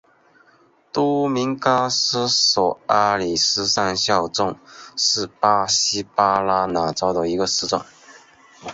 多明戈斯索阿里斯上校镇是巴西巴拉那州的一个市镇。